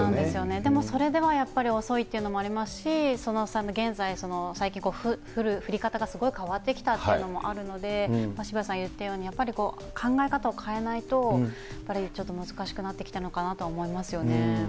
でもそれではやっぱり遅いというのもありますし、現在、最近、降り方がすごい変わってきたというのもあるので、渋谷さん言ったように、やっぱり考え方を変えないと、やっぱりちょっと難しくなってきてるのかなとは思いますよね。